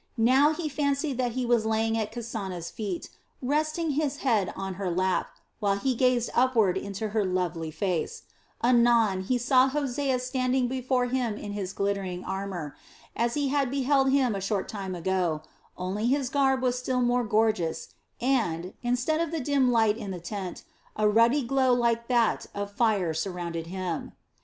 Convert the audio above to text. Now he fancied that he was lying at Kasana's feet, resting his head on her lap while he gazed upward into her lovely face anon he saw Hosea standing before him in his glittering armor, as he had beheld him a short time ago, only his garb was still more gorgeous and, instead of the dim light in the tent, a ruddy glow like that of fire surrounded him.